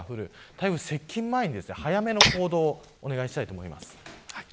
台風接近前に早めの行動をお願いします。